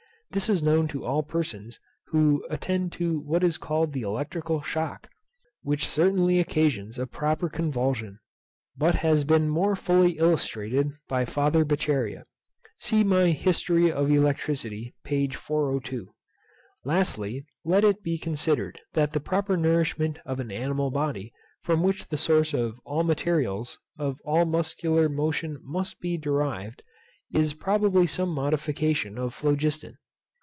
This is known to all persons who attend to what is called the electrical shock; which certainly occasions a proper convulsion, but has been more fully illustrated by Father Beccaria. See my History of Electricity, p. 402. Lastly, Let it be considered that the proper nourishment of an animal body, from which the source and materials of all muscular motion must be derived, is probably some modification of phlogiston.